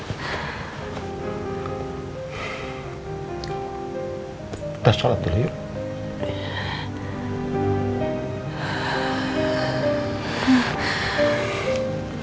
kita sholat dulu yuk